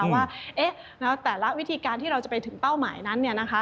ว่าแต่ละวิธีการที่เราจะไปถึงเป้าหมายนั้น